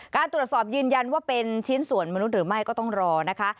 การตรวจสอบยืนยันว่าเป็นชิ้นส่วนมนุษย์หรือไม่ก็ต้องรอนะคะ